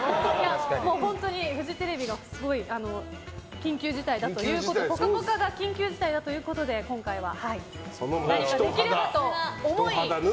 本当にフジテレビの緊急事態だということで「ぽかぽか」が緊急事態だということで今回は、何かできればと思い